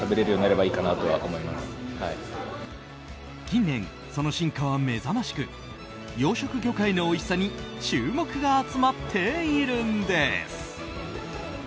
近年、その進化は目覚ましく養殖魚介のおいしさに注目が集まっているんです。